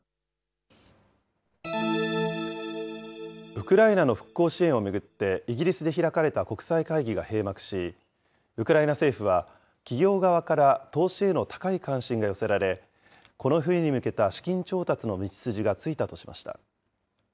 ウクライナの復興支援を巡って、イギリスで開かれた国際会議が閉幕し、ウクライナ政府は、企業側から投資への高い関心が寄せられ、この冬に向けた資金調達の道筋がついたとしました。